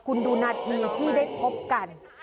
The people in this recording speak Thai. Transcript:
คุณดูนาทีที่ได้พบกัน